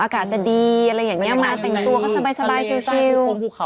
อากาศจะดีอะไรอย่างนี้มาแต่งตัวก็สบายชิว